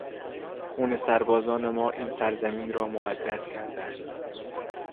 خون سربازان ما این سرزمین را مقدس کرده است.